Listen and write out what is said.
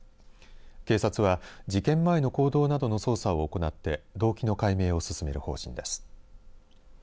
警察は事件前の行動などの捜査を行って動機の解明を進める方針です。